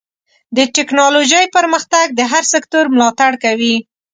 د ټکنالوجۍ پرمختګ د هر سکتور ملاتړ کوي.